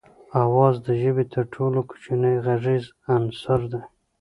آواز د ژبې تر ټولو کوچنی غږیز عنصر دی